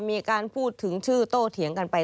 มีการพูดถึงชื่อโตเถียงกันไป